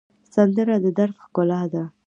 سندره د دَرد ښکلا ده